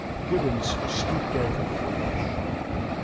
Gibbons stooped over Flash.